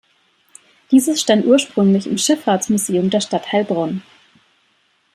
Dieses stand ursprünglich im Schifffahrtsmuseum der Stadt Heilbronn.